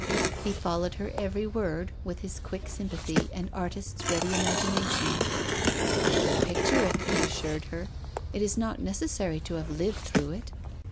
He followed her every word with his quick sym pathy and artist's ready imagination: " I can picture it," he assured her, "it is not necessary to have lived through it."